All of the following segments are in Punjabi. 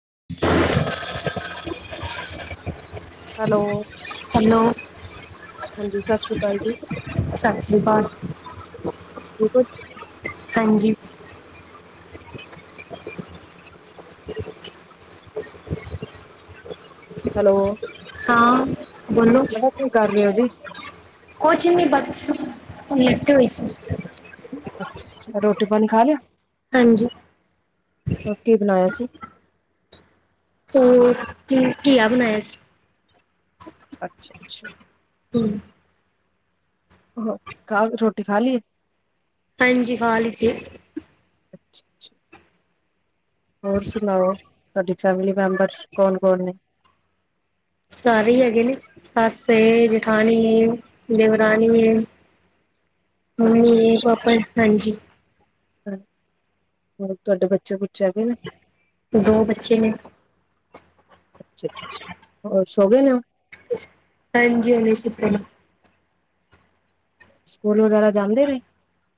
[inaudible] ਹੈਲੋ। ਹੈਲੋ! ਹਾਂਜੀ ਸਤਿ ਸ਼੍ਰੀ ਅਕਾਲ ਜੀ ਸਤਿ ਸ਼੍ਰੀ ਅਕਾਲ। ਠੀਕ ਹੋ ਜੀ? ਹਾਂਜੀ। [inaudible] ਹੈਲੋ। ਹਾਂ। ਬੋਲੋ, ਮੈਂ ਕਿਹਾ ਕੀ ਕਰ ਰਹੇ ਹੋ ਜੀ ਕੋਛ ਨਹੀਂ ਬੱਸ ਲੇਟੇ ਹੋਏ ਸੀ। ਅੱਛਾ, ਅੱਛਾ ਰੋਟੀ-ਪਾਣੀ ਖਾ ਲਿਆ? ਹਾਂਜੀ। ਹੋਰ, ਕੀ ਬਣਾਇਆ ਸੀ? ਚੋਲ ਕੀ ਘੀਆ ਬਣਾਇਆ ਸੀ। ਅੱਛਾ, ਅੱਛਾ। ਹੂੰ ਹੋਰ, ਰੋਟੀ ਖਾ ਲਈਏ? ਹਾਂਜੀ ਖਾਲੀ ਤੀ ਏ ਅੱਛਾ, ਅੱਛਾ। ਹੋਰ ਸੁਣਾਓ? ਤੁਹਾਡੀ ਫੈਮਿਲੀ ਮੈਂਬਰਸ ਕੌਣ-ਕੌਣ ਨੇ? ਸਾਰੇ ਹੀ ਹੈਗੇ ਨੇ। ਸੱਸ ਹੈ ਜੇਠਾਨੀ ਏ, ਦੇਵਰਾਨੀ ਏ। ਹਾਂ, ਇਹ ਪਾਪਾ, ਹਾਂਜੀ। ਹਾਂ, ਤੁਹਾਡੇ ਬੱਚੇ ਬੁਚੇ ਹੈਗੇ ਨੇ? ਦੋ ਬੱਚੇ ਨੇ। ਅੱਛਾ, ਅੱਛਾ, ਹੋਰ? ਸੋਗੇ ਨੇ ਓ? ਹਾਂਜੀ। ਹੂਨੇ ਈ ਸੁੱਤੇ ਨੇ। ਸਕੂਲ ਵਗੈਰਾ ਜਾੰਦੇ ਨੇ?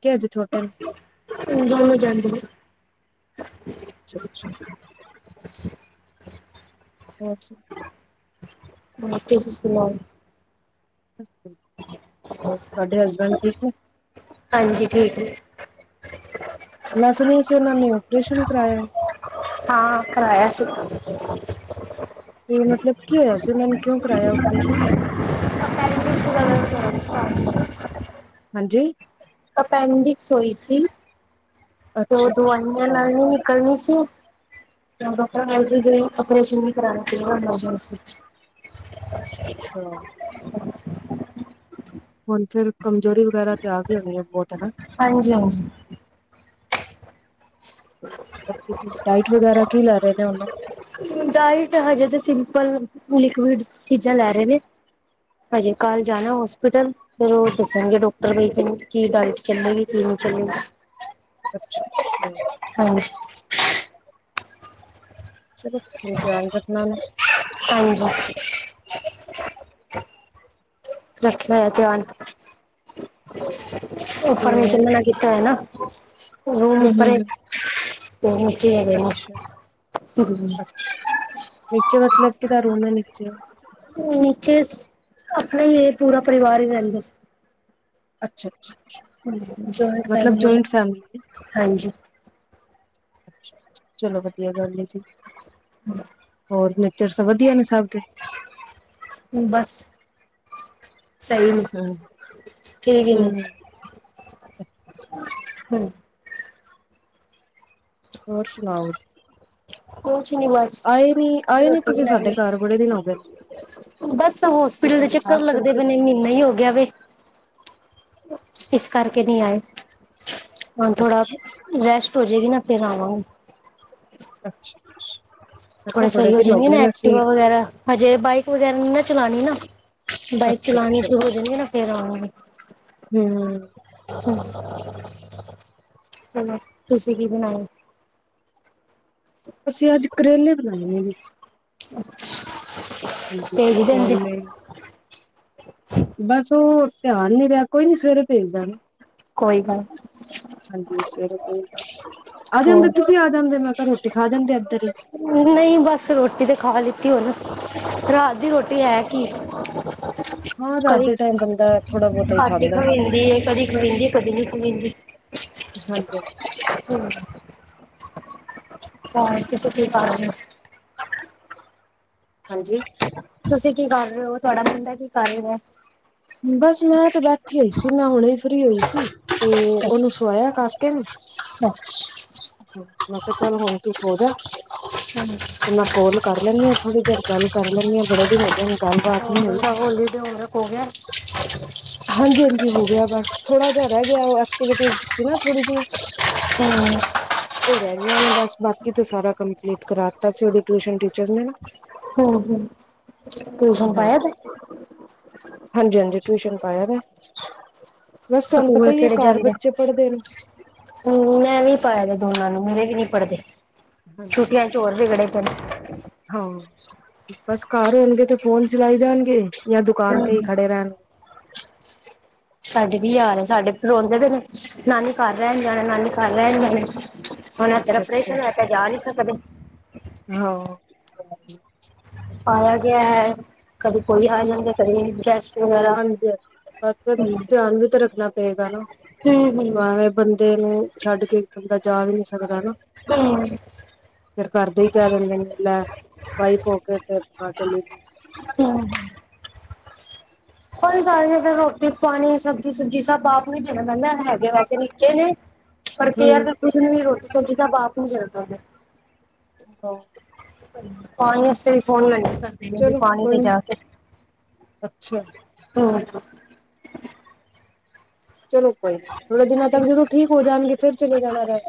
ਕਿ ਅਜੇ ਛੋਟੇ ਨੇ ਦੋਨੋ ਜਾਂਦੇ ਨੇ। ਅੱਛਾ ਅੱਛਾ [inaudible] ਅੱਛ ਸੁੱਖੇ ਦੀ ਕੁੜੀ ਤੁਹਾਡੇ ਹਸਬੈਂਡ ਠੀਕ ਹੈ ਹਾਂਜੀ ਠੀਕ ਹੈੀ ਲੱਸਣ ਸੀ ਉਹਨਾਂ ਨੇ ਓਪਰੇਸ਼ਨ ਕਰਵਾਾਇਆ ਹਾਂ ਕਰਵਾਇਆ ਸੀ [inaudible] ਤੇ ਮਤਲਬ ਕੀ ਹੋਇਆ ਸੀ ਉਹਨਾਂ ਨੂੰ ਕਿਉਂ ਕਰਾਇਆ ਓਪਰੇਸ਼ਨ ਹਮ ਹਾਂਜੀ ਅਪੈਂਡਿਕਸ ਹੋਈ ਸੀ ਉਹ ਅੱਛਾ ਅੱਛਾ ਦਵਾਈਆਂ ਅੱਛਾ ਨਾਲ ਨਹੀਂੀ ਨਿਕਲਣੀ ਸੀ ਕੀ ਅੱਛਾ [inaudible] [inaudible] ਅੱਛ ਅੱਛਾ [inaudible] ਕਮਜ਼ੋਰੀ ਵਗੈਰਾ ਤਿਆ ਵੀ ਹੋਣੀ ਹੈ ਬਹੁਤ ਹਨਾ ਹਾਂਜੀ ਹਾਂਜੀ ਡਾਈਟ ਵਗੈਰਾ ਕੀ ਲੈ ਰਹੇ ਨੇ ਉਹਨੂੰ ਡਾਇਟ ਹਜੇ ਤੇ ਸਿੰਪਲ ਲਿਕਡ ਚੀਜ਼ਾਂ ਲੈ ਰਹੇ ਨੇ ਹਜੇ ਕੱਲ ਜਾਣਾ ਹੋਸਪਿਟਲ ਫਿਰ ਉਹ ਦੱਸਣਗੇ ਡਾਕਟਰ ਬ ਕੀ ਡਾਇਟ ਚੱਲੇਗੀ ਕੀ ਨਹੀਂ ਚੱਲਗੀ ਅੱਛਾ ਅੱਛਾ ਹਾਂ ਚਲੋਣ ਧਿਆਨ ਰੱਖਣਾ ਨਾ ਹਾਂਜੀ ਰੱਖਿਆ ਹੋਇਆ ਧਿਆਨ ਉਹ ਤੇ ਪਰਰਮ ਜਮ ਨਾ ਕੀਤਾ ਹੋਇਆ ਨਾ ਕੁ ਹਮ ਹਮ ਉਹ ਮੁੱਚਣਾ ਹ ਅੱਛਾ ਨ ਮਤਲਬ ਕਿਦਾ ਰੋਣਾ ਨਚੇ ਨੀਚੇ ਆਪਣਾ ਹੀ ਇਹ ਪੂਰਾ ਪਰਿਵਾਰ ਹੀ ਰਹਿੰਦਾ ਅੱਛਾ ਜੁਆਇੰਟ ਮਤਲਬ ਫੈਮਲੀ ਜੁਇੰਟ ਫੈਮਲੀ ਹਾਂਜੀ ਚਲੋ ਵਧੀਆ ਕਰਦੀ ਜ ਮਲ ਹੋਰ ਨੇਚਰ ਸ ਵਧੀਆ ਨੇ ਸਭ ਦੇ ਬਸ ਸਹੀ ਨੇ। ਹਮ ਠੀਕ ਹੀ ਨੇ। ਹਮ ਹੂੰ ਹੋਰ, ਸੁਣਾਓ? ਹੋ ਬਸ ਆਏ ਨੀ ਆਏ ਨੀ ਰੋਟੀ ਤੁਸੀਂ ਸਾਡੇ ਬਨਾਈ ਘਰ ਬੜੇ ਦਿਨ ਹੋ ਗਏ ਨੇ ਬਸ। ਹੌਸਪੀਟਲ ਦੇ ਤੁਹਾਨੂੰ ਚੱਕਰ ਯਾਦ ਲੱਗਦੇ ਕਰਦੇ ਪਏ ਨੇ, ਮਹੀਨਾ ਹੀ ਹੋਗ ਵੇ ਇਸ ਕਰਕੇ ਨਹੀਂ ਆਏ। [inaudible] ਹਾਂ, ਥੋੜਾ ਰੈਸਟ ਹੋ ਜਾਏਗੀ ਨਾ, ਫੇਰ ਆਵਾਂਗੇ। ਅੱਛਾ। ਅਛ ਥੋੜੇ ਸਹੀ ਹੋ ਜਾਣਗੇ, ਨਾ ਐਕਟੀਵਾ ਵਗੈਰਾ, ਹਜੇ ਬਾਈਕ ਵਗੈਰਾ ਨੀ ਨਾ ਚਲਾਣੀ ਨਾ ਬਾਈਕ ਅੱਛਾ ਚਲਾਣੀ ਅੱਛਾ ਸ਼ੁਰੂ ਹੋ ਜਾਂਣਦੀ ਨਾ, ਫੇਰ ਆਵਾਂਗੇ। ਹੂੰ ਚਲੋ, ਤੁਸੀਂ ਕੀ ਬਣਾਈ? ਅਸੀਂ ਅੱਜ, ਕਰੇਲੇ ਬਣਾਏ ਨੇ ਜੀ। ਅੱਛ ਹਾਂਜੀ, ਕਰੇਲੇ। ਬੱਸ। ਉਹ, ਧਿਆਨ ਨੀ ਰਿਹਾ, ਕੋਈ ਨੀ ਸਵੇਰੇ ਭੇਜ ਦਿਆਂਗੇ। ਕੋਈ ਗੱਲ ਹਾਂਜੀ। ਸਵੇਰੇ ਤੇ ਆ ਜਾਂਦੇ, ਹੋਰ ਤੁਸੀਂ ਆ ਜਾਂਦੇ ਮੈਂ ਘਰ ਖਾ ਜਾਂਦੇ ਇੱਧਰ ਹੀ ਨਹੀਂ ਬੱਸ ਰੋਟੀ ਤੇ ਖਾ ਲਿੱਤੀ, ਉਹਨ ਰਾਤ ਦੀ ਰੋਟੀ ਹੀ ਹੈ ਕੀ ਹਾਂ ਰਾਤ ਕਦੀ ਦੇ ਟਾਈਮ ਬੰਦਾ ਥੋੜਾ ਬਹੁਤਾ ਹੀ ਘੱਟ ਖਾਂਦਾ ਹੈ। ਖਾਇਦੀ ਏ, ਕਦੀ ਖਾਹੂੰਦੀ ਕਦੀ ਨਹੀ ਖਾਦੀ [inaudible] ਹੂੰ ਹਾਂ, ਤੁਸੀਂ ਕੀ ਕਰ ਰੇ, ਓਂ? ਹਾਂਜੀ। ਤੁਸੀਂ ਕੀ ਕਰ ਰਹੇ ਹੋ, ਤੁਹਾਡਾ ਮੁੰਡ ਕੀ ਕਰ ਰਿਹਾ? ਬਸ ਮੈਂ ਤੇ, ਬੈਠੀ ਹੋਈ ਸੀ, ਮੈਂ ਹੁਣੇ ਫ੍ਰੀ ਹੋਈ ਸੀ, ਤੇ ਉਹਨੂੰ ਸਵਾਇਆ ਕਾਕੇ ਨੂੰ। ਮੈਂ, ਕਿਹਾ ਚਲ ਹੁਣ ਤੂੰ ਸੋਜਾ। ਤੇ, ਮੈਂ ਕੌਲ ਕਰ ਲੈਨੀ ਆ, ਥੋੜ੍ਹੀ ਦੇਰ ਗੱਲ ਕਰਲੇਨੀਆਂ ਬੜੇ ਦਿਨ ਹੋ ਗਏ ਨੇ ਗੱਲਬਾਤ ਹੋਰ, ਓਦਾ ਹੋਲੀਡੇ ਹੋਮਵਰਕ ਹੋ ਗਿਆ? ਹਾਂਜੀ- ਹਾਂਜੀ ਹੋ ਗਿਆ, ਬਸ ਥੋੜਾ ਜਹਾ ਰਹਿ ਗਿਆ ਹੋ- ਕ ਨਾ ਥੋੜੀ ਜਿਹੀਆਂ ਹਮ ਉਹ ਰਹਿ ਗਈਆਂ ਨੇ ਬਸ ਬਾਕੀ ਤੇ ਸਾਰਾ ਕੰਪਲੀਟ ਕਰਾ ਦਿੱਤਾ ਸੀੇ ਟਿਊਸ਼ਨ ਟੀਚਰ ਨੇ ਨਾ। ਹੂੰ ਹੂੰ ਟਿਊਸ਼ਨ ਪਾਇਆ ਦਾ ਹੇ। ਹਾਂਜੀ ਹਾਂਜੀ ਟਿਊਸ਼ਨ ਪਾਇਆ ਦਾ ਹੈ। ਬਸ ਤੁਹਾਨੂੰ ਪਤਾ ਸਕੂਲ ਹੀ ਕਿੜੇ ਘਰ ਜਾਂਦੇ ਨੇ, ਬੱਚੇ ਪੜ੍ਹਦੇ ਨੇ ਮੈਂ ਵੀ ਪਾਇਆ ਦਾ ਦੋਨਾਂ ਨੂੰ ਮੇਰੇ ਵੀ ਨੀ ਪੜ੍ਹਦੇ ਹਾਂਜੀ ਛੁੱਟੀਆਂ ਚ ਹੋਰ ਵੀਗੜੇ ਧਨਵਾਦ [unintelligible] ਹਾਂ ਬਸ ਘਰ ਹੋਣਗੇ ਤੇ ਫੋਨ ਚਲਾਈ ਜਾਣਗੇ, ਯਾਂ ਦੁਕਾਨ ਤੇ ਹੀ ਹਮ ਖੜੇ ਰਹਿਣ। ਸਾਡੇ ਵੀ ਇਹੀ ਹਾਲ ਹੈ, ਸਾਡੇ ਰੋਂਦੇ ਪਏ ਨੇ ਨਾਨੀ ਘਰ ਰਹਿਣ ਜਾਣਾ, ਨਾਨੀ ਘਰ ਰਹਿਣ ਜਾਣਾ ਹੈ। ਹੁਣ ਇਧਰ ਅੱਛਾ-ਅੱਛਾ ਔਪ੍ਰੇਸ਼ਨ ਹੋਇਆ ਪਿਆ ਜਾ ਨਹੀਂ ਸਕਦੇ। ਹ [inaudible] ਆਇਆ ਗਿਆ ਹੈ। ਕਦੇ ਕੋਈ ਆ ਹਾਂਜੀ ਜਾਂਦੇ ਕਦੇ ਗੈਸਟ ਵਗੈਰਾ ਹਾਂਜੀ ਬਸ ਫਿਰ ਹੂੰ ਧਿਆਨ ਵੀ ਤਾਂ ਰੱਖਣਾ ਪਏਗਾ ਨਾ, ਹੂੰ ਹੂੰ ਏਵੇਂ ਬੰਦੇ ਨੂੰ ਛੱਡ ਕੇ ਬੰਦਾ ਜਾ ਵੀ ਨੀ ਸਕਦਾ ਨਾ। ਹੂੰ ਫਿਰ ਕਰਦੇ ਹੀ ਕਹਿ ਦਿੰਦੇ ਨੇ ਲੈ ਵਾਈਫ ਹੋ ਕੇ ਤੇ ਘਰ ਚੱਲੀ ਗਈ। ਕੋਈ ਗੱਲ ਨੀ ਫਿਰ ਰੋਟੀ, ਪਾਣੀ, ਸਬਜ਼ੀ ਸੁਬਜੀ ਸਭ ਆਪ ਨੂੰ ਦੇਣਾ ਪੈਂਦਾ। ਹੈਗੇ ਵੈਸੇ ਨੀਚੇ ਨੇ ਪਰ ਕੇਅਰ ਵੀ ਹੂੰ, ਖੂਦ ਨੂੰ ਵੀ ਰੋਟੀ ਸਬਜ਼ੀ ਸਬ ਆਪ ਕਰਦਾ [unintelligible] [unintelligible] ਪਾਣੀ ਵਸਤੇ ਵੀ ਫੋਨ ਲ ਕਰਦੇ ਨੇ ਵੀ ਚਲੋ ਪਾਣੀ ਕੋਈ ਦੇ ਨੀ ਜਾ ਆਕੇ ਅੱਛਾ ਹੂੰ ਚਲੋ ਕੋਈ ਨੀ ਥੋੜੇ ਦਿਨਾਂ ਤੱਕ ਜਦੋਂ ਠੀਕ ਹੋ ਜਾਣਗੇ ਫਿਰ ਚਲੇ ਜਾਣਾ ਰਹਿਣ।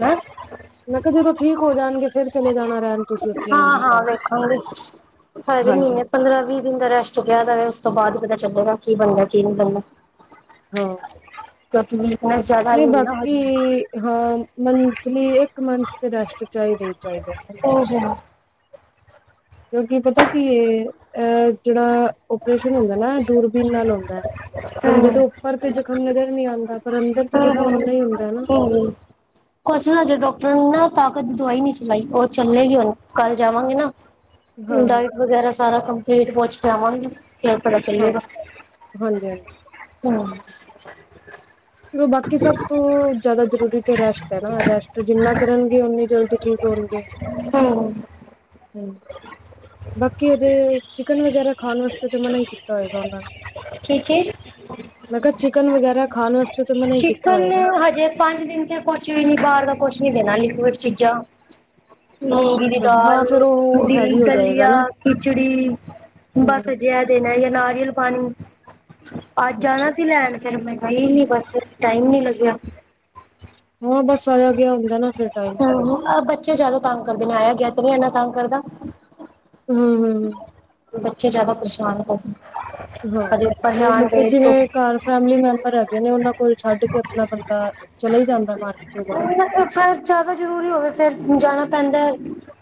ਹਮ [unintelligible] ਮੈਂ ਜਦੋਂ ਠੀਕ ਹੋ ਜਾਣਗੇ ਫਿਰ ਚਲੇ ਜਾਣਾ ਰਹਿਣ। ਤੁਸੀਂ ਆਪਣੀ ਹਾਂ ਮੰਮੀ ਹਾਂ ਘਰ ਵੇਖਾਂਗੇ ਹੋਏ ਤੇ ਹਾਂਜੀ ਮਹੀਨੇ ਪੰਦਰਾਂ ਵੀਹ ਦਿਨ ਦਾ ਰੈਸਟ ਕਿਹਾ ਦਾ ਵੇ ਉਸ ਤੋਂ ਬਾਅਦ ਪਤਾ ਚੱਲੇਗਾ ਕੀ ਬਣਦਾ ਕੀ ਨਹੀਂ ਬਣਨਾ। ਹਾਂ ਚਤ [unintelligible] ਨਹੀਂ ਬਾਕੀ ਹਾਂ ਮੰਥਲੀ ਇੱਕ ਮੰਥ ਤੇ ਰੈਸਟ ਚਾਹੀਦਾ ਹੀ। ਚਾਹੀਦਾ ਹੂੰ ਕਿਉਂਕਿ ਪਤਾ ਕੀ ਅਹ ਜਿਹੜਾ ਓਪਰੇਸ਼ਨ ਹੁੰਦਾ ਨਾ ਦੂਰਬੀਨ ਨਾਲ ਹੁੰਦਾ। ਬੰਦੇ ਹੂੰ ਦੇ ਉੱਪਰ ਤੇ ਜਖ਼ਮ ਨਜ਼ਰ ਨਹੀਂ ਆਂਦੇ। ਤਾਂ ਪਰ ਤੇ ਹਮ, ਜ਼ਖ਼ਮ ਓਨਾ ਹੀ ਹਮ, ਹੁੰਦਾ ਹੈ ਨਾ ਹਮ ਕੁਛ ਅਜੇ ਡਾਕਟਰ ਨਾ ਤਾਕਤ ਦਵਾਈ ਨੀ ਸੀ ਲਾਈ ਉਹ ਚੱਲੇਗੀ ਹੁਣ ਕੱਲ ਜਾਵਾਂਗੇ ਨਾ। ਹਾਂ-ਹਾਂ, ਡਾਇਟ ਵਗੈਰਾ ਸਾਰਾ ਕੰਮ ਫੇਡ ਵੋਚ ਪਵਾਂ ਕਿ ਪਤਾ ਹਾਂ ਚੱਲੇਗਾ, ਹਾਂਜੀ-ਹਾਂਜੀ। ਹਮ ਚਲੋ ਬਾਕੀ ਸਭ ਤੋਂ ਜ਼ਿਆਦਾ ਜ਼ਰੂਰੀ, ਰੈਸ਼ਟ ਹੈ ਨਾ ਰੈਸ਼ਟ ਜਿੰਨਾ ਕਰਨਗੇ ਉਨੀ ਜਲਦੀ ਠੀਕ ਹੋਣਗੇ। ਹਮ ਹਮ ਬਾਕੀ ਉਹਦੇ ਚਿਕਨ ਵਗੈਰਾ ਖਾਣ ਵਾਸਤੇ ਤਾਂ ਮਨਾ ਹੀ ਕੀਤਾ ਹੋਏਗਾ ਉਹਨਾਂ ਨੇ ਕੀ ਚੀਜ਼ ਮੈਂ ਕਿਹਾ ਚਿਕਨ ਵਗੈਰਾ ਖਾਣ ਵਾਸਤੇ ਤਾਂ ਮਨਾ ਹੀ ਕੀਤਾ ਚਿਕਨ ਹੋਏਗਾ। ਹਜੇ ਪੰਜ ਦਿਨ ਤੇ ਕੁਛ ਵੀ ਨੀ ਬਾਹਰ ਦਾ ਕੁਛ ਨੀ ਦੇਣਾ ਨੀ ਚੀਜ਼ਾ ਮੂੰਗੀ ਦੀ ਅੱਛਾ-ਅੱਛਾ ਹਾਂ ਦਾਲ, ਫੇਰ ਉਹ ਹੈਵੀ ਹੋ ਜਾਏਗਾ ਦਲੀਆ, ਨਾ ਖਿਚੜੀ, ਬਸ ਹੂੰ ਅਜਿਹਾ ਦੇਣਾ ਜਾਂ ਨਾਰੀਅਲ ਪਾਣੀ। ਅੱਜ ਜਾਣਾ ਅੱਛਾ। ਸੀ ਲੈਣ ਫਿਰ ਮੈਂ ਕਹੀ ਨੀ ਬਸ ਟਾਈਮ ਨੀ ਲੱਗਿਆ। ਹਾਂ ਬੱਸ ਆਇਆ ਗਿਆ ਹੁੰਦਾ ਨਾ ਫਿਰ ਟਾਈਮ ਨੀ ਲੱਗਦਾ ਹਮ ਬੱਚੇ ਜ਼ਿਆਦਾ ਤੰਗ ਕਰਦੇ ਨੇ ਆਇਆ ਗਿਆ ਤੇ ਨਹੀਂ ਇਨਾ ਤੰਗ ਕਰਦਾ। ਹਮ, ਹਮ, ਹਮ ਬੱਚੇ ਜ਼ਿਆਦਾ ਖੁਸ਼ ਹਾਂ ਤੇ ਜਾਣਗੇ ਤ ਜਿਵੇਂ ਘਰ ਫੈਮਲੀ ਮੈਂਬਰ ਹੈਗੇ ਨੇ ਉਹਨਾਂ ਕੋਲ ਛੱਡ ਕੇ ਆਪਣਾ ਬੰਦਾ ਚਲਾ ਹੀ ਜਾਂਦਾ ਮਾਰਕੀਟ ਵਗੈਰਾ ਫਿਰ ਜ਼ਿਆਦਾ ਜ਼ਰੂਰੀ ਹੋਵੇ ਫਿਰ ਜਾਣਾ ਪੈਂਦਾ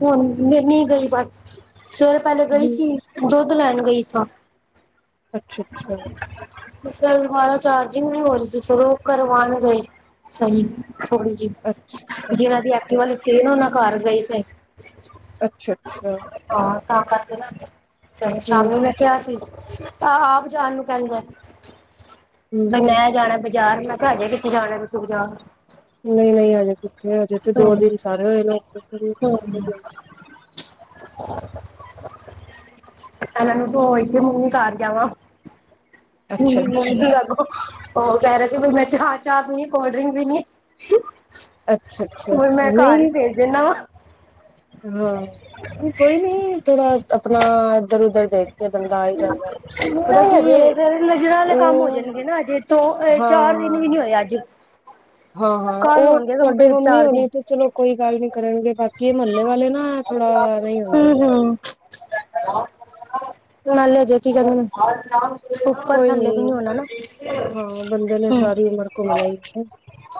ਹੁ ਮਿੰਨੀ ਗਈ ਬਸ ਸ ਪਹਿਲੇ ਗਈ ਸੀ ਦੋ ਲੈ ਗਈ ਸਾ ਅੱਛਾ! ਅੱਛਾ ਫਿਰ ਦੁਬਾਰਾ ਚਾਰਜਿੰਗ ਨਹੀਂ ਹੋ ਰਹੀ ਸੀ ਫਿਰ ਉਹ ਕਰਵਾਉਣ ਗਏ ਸਹੀ। ਥੋੜੀ ਜਿਹੀ ਜਿੰਨਾ ਦੀ ਅੱਛਾ-ਅੱਛਾ-ਅੱਛਾ। ਐਕਟਿੰਗ ਲੀਤੀ ਉਹਨਾਂ ਘਰ ਗਈ ਤੇ ਅੱਛਾ- ਅੱਛਾ ਤਾਂ ਕਰਕੇ ਨਾ ਚਲੋ ਹੂੰ ਸ਼ਾਮੀ ਮੈਂ ਕਿਹਾ ਸੀ। ਆਹ ਆਪ ਜਾਣ ਨੂੰ ਕਹਿੰਦੈ ਹੂੰ ਬਨਆ ਜਾਣਾ [unintelligible] ਯਾਰ ਮੈਂ ਕਿਹਾ ਹਜੇ ਕਿੱਥੇ ਜਾਣੇ ਤੁਸੀ ਬਜਾਰ ਨਹੀਂ-ਨਹੀਂ ਹਜੇ ਕਿੱਥੇ ਹਜੇ ਤੇ ਦੋ ਹੂੰ ਦਿਨ ਸਾਰੇ ਹੋਏ ਨੇ। ਨੂੰ ਹੂੰ [inaudible] [inaudible] ਐਨਾ ਨੂੰ ਧੋਏ ਤੇ ਮੂੰਹ ਕਰ ਜਾਵਾਂ। ਹੰਮ ਅੱਛਾ ਅੱਛਾ ਨ ਲਗੋ- [unintelligible] ਉਹ ਕਹਿ ਰਹੇ ਸੀ ਮੈਂ ਚਾਹ- ਚਾਹ ਵੀ ਕੋਲਡ ਡ੍ਰਿੰਕ ਵੀ ਨਹੀਂ ਅੱਛਾ [inaudible] ਅੱਛਾ ਹੋ ਮੈਂ ਘਰ ਹੀ ਨਹੀਂ ਭੇਜ ਦੇਨਾ ਵ ਹਾਂ ਕੋਈ ਨੀ ਥੋੜਾ ਆਪਣਾ ਇੱਧਰ-ਉਧਰ ਦੇਖ ਕੇ ਬੰਦਾ ਆਈ ਜਾਂਦਾ ਪਤਾ ਨਹੀਂ ਕੀ ਹਜੇ ਨਜ਼ਰਾਂ ਵਾਲੇ ਕੰਮ ਹੋ ਉਹ ਜਾਣਗੇ ਨਾ ਅਜੇ ਦੋ ਚਾਰ ਦਿਨ ਵੀ ਨੀ ਹੋਏ ਅੱਜ ਹਾਂ-ਹਾਂ ਕੱਲ ਉਹ ਹੋਣਗੇ ਤੁਹਾਡੇ ਕੰਪਲੀਟ ਮੰਮੀ ਚਾਰ ਦਿਨ। ਹੋਣੀ ਤੇ ਚਲੋ ਕੋਈ ਗੱਲ ਨੀ ਕਰਨਗੇ ਬਾਕੀ ਮੁਹੱਲੇ ਵਾਲੇ ਨੂੰ ਹੂੰ-ਹੂੰ [inaudible] ਨਾਲੇ ਅਜੇ [unintelligible] ਕੋਈ ਨੀ ਹਾਂ ਬੰਦੇ ਨੇ ਹੂੰ, ਸਾਰੀ ਉਮਰ ਘੁੰਮ ਲਈ ਹੈ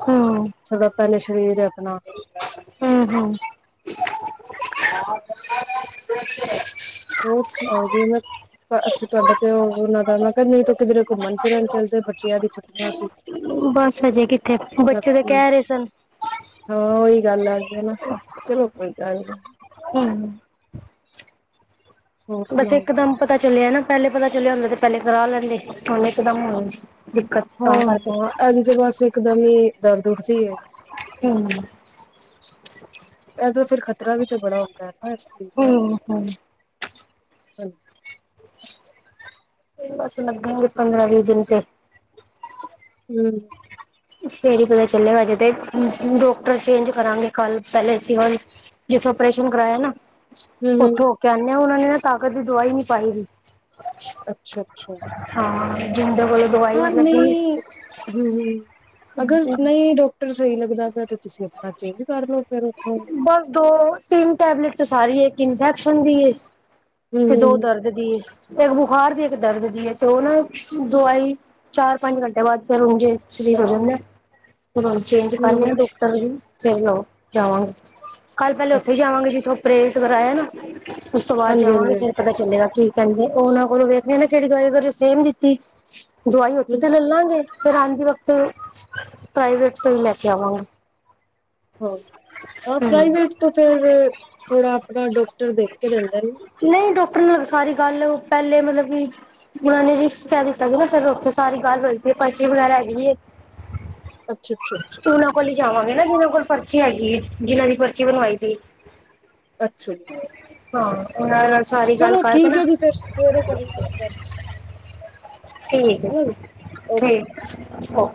ਹੂੰ, ਸਾਡਾ ਪਹਿਲੇ ਸਰੀਰ ਹੈ। ਹੂੰ-ਹੂੰ [inaudible] [inaudible] ਹੋਰ ਸੁਣਾਓ ਜੀ ਮੈਂ ਅੱਛਾ ਤੁਹਾਡਾ ਤੇ ਉਹਨਾਂ ਦਾ ਮੈਂ ਕਿਹਾ ਨਹੀਂ ਤੂੰ ਕਿਧਰੇ ਘੁੰਮਣ ਫਿਰਨ ਚਲਦੇ ਬੱਚਿਆਂ ਦੀ ਛੁੱਟੀਆਂ ਸੀ ਬਸ ਹਜੇ ਕਿੱਥੇ ਬੱਚੇ ਤੇ ਬਾਕੀ ਕਹਿ ਰਹੇ ਸਨ ਹਾਂ ਉਹੀ ਗੱਲ ਆ ਹੈ ਨਾ ਚਲੋ ਕੋਈ ਗੱਲ ਨੀ। [inaudible] ਹੋਰ ਬਸ ਸੁਣਾਓ। ਇੱਕ ਦਮ ਪਤਾ ਚੱਲਿਆ ਨਾ। ਪਹਿਲੇ ਪਤਾ ਚੱਲਿਆ ਹੁੰਦਾ ਤੇ ਪਹਿਲੇ ਕਰਾ ਲੈਂਦੇ ਹੁਣ ਇੱਕਦਮ ਹੋ। ਹਾਂ-ਹਾਂ ਹਾਂਜੀ ਬਸ ਇੱਕਦਮ ਹੀ ਦਰਦ ਉ [inaudible] ਹੂੰ, ਇਹਦਾ ਫਿਰ ਖ਼ਤਰਾ ਵੀ ਤਾਂ ਬੜਾ ਆਉਂਦਾ ਹੈ ਨਾ ਇਸ ਚੀਜ਼ ਦਾ ਹੂੰ, ਹੂੰ। ਹਾਂ ਬਸ ਲੱਗਣਗੇ ਪੰਦਰਾਂ ਵੀ ਦਿਨ ਤੇ ਹੰਮ ਫਰ ਪਤਾ ਚੱਲੇਗਾਜੇ ਤੇ ਡਾਕਟਰ ਚੇਂਜ ਕਰਾਂਗੇ ਕੱਲ ਪਹਿਲੇ ਜਿਥੋਂ ਓਰੇਸ਼ਨ ਕਰਾਇਆ ਨਾ ਹੂੰ ਉੱਥੋਂ ਹੋ ਹੂੰ ਕੇ ਆਣੇ ਹਾਂ ਉਹਨਾਂ ਨੇ ਨਾ। ਤਾਕਤ ਦੀ ਦਵਾਈ ਨਹੀਂ ਪਾਈ ਦੀ। ਅੱਛਾ ਅੱਛਾ। ਐਥੋਂ। ਹਾਂ ਨਹੀਂ ਹੂੰ ਹੂੰ। ਅਗਰ ਨਹੀਂ ਡਾਕਟਰ ਸਹੀ ਲੱਗਦਾ। ਫੇਰ ਤੇ ਤੁਸੀ ਆਪਣਾ ਚੇਜ ਕਰ ਲਓ। ਫਿਰ ਉੱਥੋਂ ਬੱਸ ਦੋ। ਤਿੰਨ ਟੈਬਲੇਟ ਸਾਰੀ ਹੈ ਇੱਕ ਇੰਫੈਕਸ਼ਨ ਦੀ। ਹੂੰ ਤੇ ਦੋ ਹੂੰ ਦਰਦ ਦੀ ਏ। ਫੇਰ ਇੱਕ ਬੁਖਾਰ ਦੀ ਇੱਕ ਦਰਦ ਦੀ ਹੈ ਤੇ ਉਹ ਨਾ ਦਵਾਈ ਚਾਰ ਪੰਜ ਘੰਟੇ ਬਾਅਦ ਫਿਰ ਉਹ ਸਰੀਰ ਹੋ ਜਾਂਦਾ ਹੈ। ਫੇਰ ਹੁਣ ਚੇਂਜ ਕਰ ਗਿਆ ਹੂੰ ਡਾਕਟਰ ਵੀ। ਫੇਰ ਨਾ ਉਹ। ਕਿਉਂ। ਕੱਲ ਪਹਿਲੇ ਉੱਥੇ ਅੱਛਾ ਜਾਵਾਂਗੇ ਜਿੱਥੋਂ। ਅਪ੍ਰੇਟ ਕਰਾਇਆ ਨਾ। ਉਸ ਤੋਂ ਬਾਅਦ ਹਾਂਜੀ ਹਾਂਜੀ ਜਾਵਾਂਗੇ ਫੇਰ ਹਾਂਜੀ ਪਤਾ ਚੱਲੇਗਾ ਕੀ। ਕਹਿੰਦੇ ਉਹਨਾਂ ਕੋਲੋਂ ਵੇਖਣੇ ਕਿਹੜੀ ਦਵਾਈ ਉਹਨਾਂ ਚੋਂ ਸੇਮ ਦਿੱਤੀ। ਦਵਾਈ ਉੱਥੋਂ ਤੇ ਲੈਲਾਂਗੇ। ਫਿਰ ਆਉਂਦੀ ਵਕਤ ਪ੍ਰਾਈਵੇਟ ਤੋਂ ਹੀ ਲੈ ਕੇ ਆਵਾਂਗਾ। ਹਾਂ ਹਾਂ ਪ੍ਰਾਈਵੇਟ ਤੋਂ ਫੇਰ ਥੋੜਾ ਆਪਣਾ ਡਾਕਟਰ ਦੇਖ ਕੇ ਦਿੰਦੇ ਨੇ। ਨਹੀਂ ਡਾਕਟਰ ਨਾਲ ਸਾਰੀ ਗੱਲ ਪਹਿਲੇ ਮਤਲਬ ਕਿ ਉਹਨਾਂ ਨੇ ਰਿਕਸ ਕਹਿ ਦਿੱਤਾ ਸੀ ਨਾ ਫਿਰ ਉੱਥੇ ਸਾਰੀ ਗੱਲ ਹੋਈ ਪਈ ਹੈ ਪਚਰੀ ਵਗੈਰਾ ਹੈਗੀ ਹੈ। ਅੱਛਾ ਅੱਛਾ ਅੱਛਾ। ਜਾਵਾਂਗੇ ਨਾ ਜਿਹਨਾਂ ਕੋਲ ਪਰਚੀ। ਪਰਚੀ ਹੈਗੀ ਜਿਨ੍ਹਾਂ ਦੀ ਪਰਚੀ ਬਣਵਾਈ ਸੀ। ਅੱਛਾ ਜੀ। ਹਾਂ ਉਹ ਦੇ ਨਾਲ। ਸਾਰੀ ਗੱਲ ਚਲੋ ਕਰਕੇ ਠੀਕ ਨਾ ਹੈ ਜੀ ਫਿਰ ਸਵੇਰੇ ਕਰ ਲਾਂਗੇ ਗੱਲ। ਠੀਕ ਹੈਨਾ ਜੀ ਹੈ ਓ ਠੀਕ ਹੈ। ੳਹੂ।